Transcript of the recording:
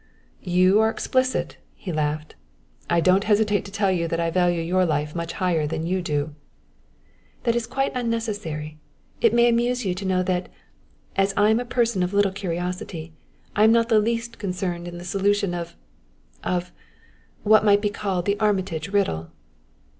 "You are explicit!" he laughed. "I don't hesitate to tell you that I value your life much higher than you do." "That is quite unnecessary. It may amuse you to know that, as I am a person of little curiosity, I am not the least concerned in the solution of of what might be called the Armitage riddle."